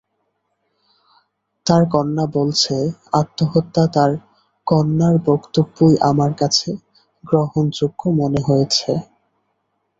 তার কন্যা বলছে আত্মহত্যা তাঁর কন্যার বক্তব্যই আমার কাছে গ্রহণযোগ্য মনে হয়েছে।